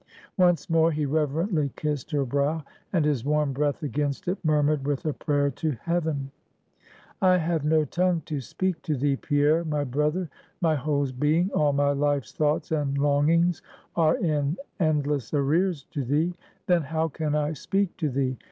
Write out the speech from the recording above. Once more he reverently kissed her brow, and his warm breath against it murmured with a prayer to heaven. "I have no tongue to speak to thee, Pierre, my brother. My whole being, all my life's thoughts and longings are in endless arrears to thee; then how can I speak to thee?